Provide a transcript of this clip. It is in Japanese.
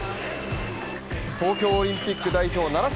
東京オリンピック代表楢崎